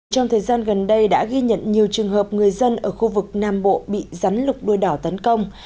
trong thời gian gần đây đã ghi nhận nhiều trường hợp người dân ở khu vực nam bộ bị rắn lục đuôi đỏ tấn công